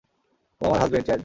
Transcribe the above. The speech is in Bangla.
ও আমার হাজব্যান্ড, চ্যাড।